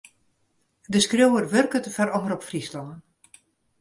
De skriuwer wurket foar Omrop Fryslân.